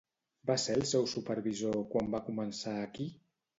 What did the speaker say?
Va ser el seu supervisor quan va començar aquí.